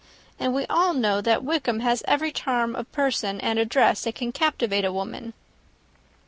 And we all know that Wickham has every charm of person and address that can captivate a woman."